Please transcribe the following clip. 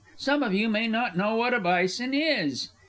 Some of you may not know what a bison is.